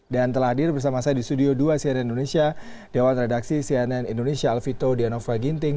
dan telah hadir bersama saya di studio dua cnn indonesia dewan redaksi cnn indonesia alvito dianova ginting